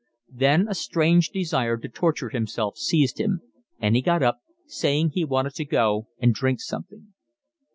Then a strange desire to torture himself seized him, and he got up, saying he wanted to go and drink something.